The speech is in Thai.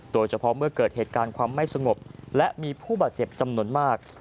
โดยเฉพาะเมื่อเกิดเหตุการณ์ความไม่สงบและมีผู้บาดเจ็บจำนวนมาก